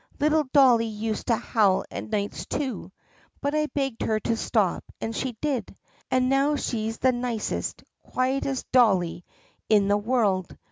Little dolly used to howl at nights, too, but I begged her to stop and she did; and now she's the nicest, quietest dolly in the world.